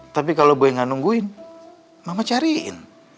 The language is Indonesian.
tapi kalau gue nggak nungguin mama cariin